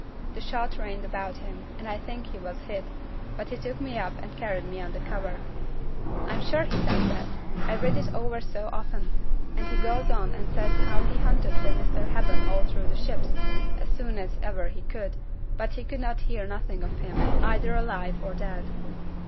The shot rained about him, and I think he was hit; but he took me up and carried me under cover." I'm sure he says that, I've read it over so often; and he goes on and says how he hunted for Mr. Hepburn all through the ships, as soon as ever he could; but he could hear nothing of him, either alive or dead.